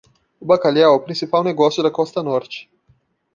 O bacalhau é o principal negócio da costa norte.